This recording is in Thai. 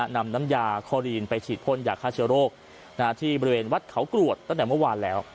นำน้ำยาคอลีนไปฉีดพ่นยาฆ่าเชื้อโรคที่บริเวณวัดเขากรวดตั้งแต่เมื่อวานแล้ว